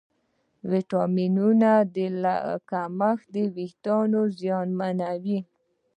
د ویټامینونو کمښت وېښتيان زیانمنوي.